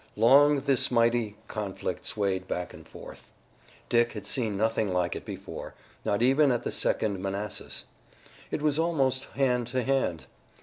Long this mighty conflict swayed back and forth. Dick had seen nothing like it before, not even at the Second Manassas. It was almost hand to hand.